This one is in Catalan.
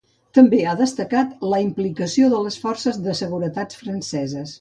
També ha destacat la implicació de les forces de seguretat franceses.